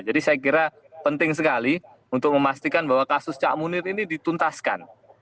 jadi saya kira penting sekali untuk memastikan bahwa kasus cak munir ini dituntaskan